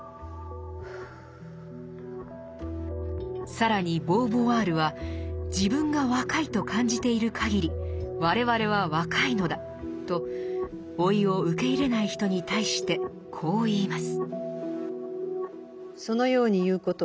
更にボーヴォワールは「自分が若いと感じているかぎり我々は若いのだ」と老いを受け入れない人に対してこう言います。